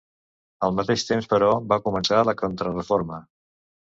Al mateix temps, però, va començar la Contrareforma.